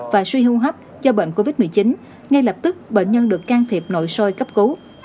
và suy hưu hấp do bệnh covid một mươi chín ngay lập tức bệnh nhân được can thiệp nội sôi cấp cứu